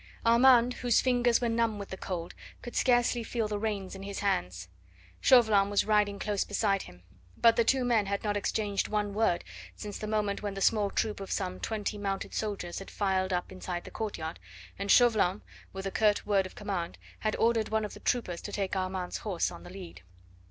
Armand, whose fingers were numb with the cold, could scarcely feel the reins in his hands. Chauvelin was riding close beside him, but the two men had not exchanged one word since the moment when the small troop of some twenty mounted soldiers had filed up inside the courtyard, and Chauvelin, with a curt word of command, had ordered one of the troopers to take Armand's horse on the lead.